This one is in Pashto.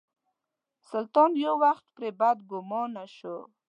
سلطان یو وخت پرې بدګومانه شو.